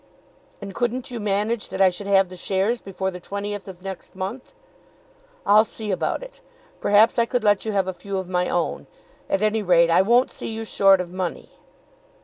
"And couldn't you manage that I should have the shares before the twentieth of next month?" "I'll see about it. Perhaps I could let you have a few of my own. At any rate I won't see you short of money."